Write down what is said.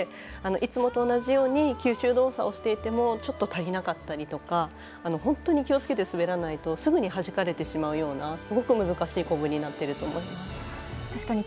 いつもと同じ吸収動作をしていても足りなかったりとか本当に気をつけて滑らないとすぐにはじかれてしまうようなすごく難しいコブになっていると思います。